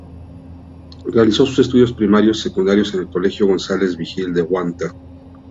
Realizó sus estudios primarios y secundarios en el "colegio Gonzales Vigil" de Huanta.